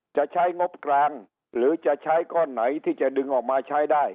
จะใช้งบกลางหรือจะใช้ก้อนไหนที่จะดึงออกมาใช้ได้